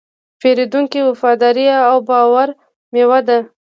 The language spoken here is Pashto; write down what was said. د پیرودونکي وفاداري د باور میوه ده.